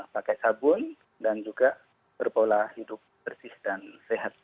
pakai sabun dan juga berpola hidup bersih dan sehat